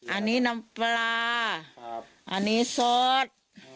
อันนี้น้ำปลาอันนี้สด